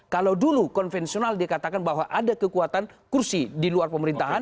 kalau dulu konvensional dikatakan bahwa ada kekuatan kursi di luar pemerintahan